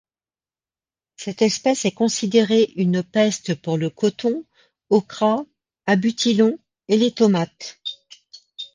Cette espèce est considérée une peste pour le cotton, okra, abutilon et les tomates.